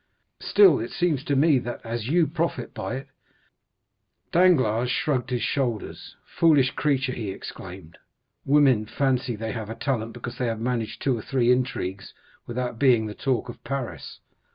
"Still it seems to me, that as you profit by it——" Danglars shrugged his shoulders. "Foolish creature," he exclaimed. "Women fancy they have talent because they have managed two or three intrigues without being the talk of Paris!